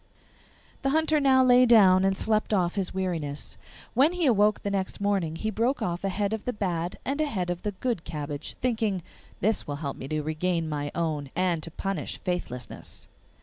The Hunter now lay down and slept off his weariness. When he awoke the next morning he broke off a head of the bad and a head of the good cabbage, thinking, 'This will help me to regain my own, and to punish faithlessness.